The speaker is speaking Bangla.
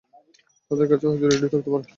তাদের কাছে হয়ত রেডিও থাকতে পারে।